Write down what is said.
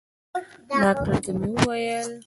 ډاکتر ته مې وويل.